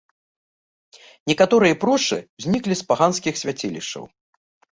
Некаторыя прошчы ўзніклі з паганскіх свяцілішчаў.